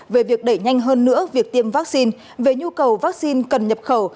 về việc đẩy nhanh hơn nữa việc tiêm vaccine về nhu cầu vaccine cần nhập khẩu